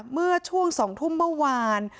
เมื่อช่วง๒ทุ่มเมื่อวาน